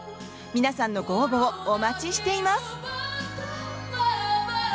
皆さんのご応募をお待ちしています。